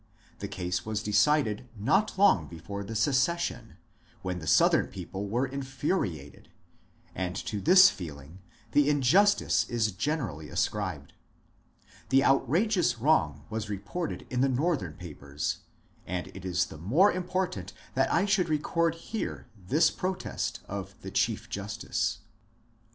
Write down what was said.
The case was decided not long before the Secession, when the Southern people were infuriated, and to this feeling the injustice is generally ascribed. The outrageous wrong was reported in the Northern papers, and it is the more important that I should record here this protest of the Chief Justice.